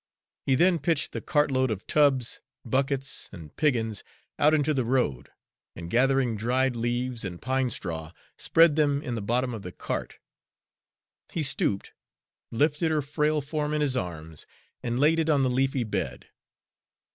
He then pitched the cartload of tubs, buckets, and piggins out into the road, and gathering dried leaves and pine straw, spread them in the bottom of the cart. He stooped, lifted her frail form in his arms, and laid it on the leafy bed.